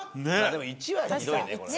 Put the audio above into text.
でも１はひどいねこれ。